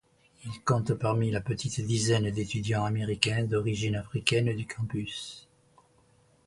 Il compte parmi la petite dizaine d'étudiants américains d'origine africaine du campus.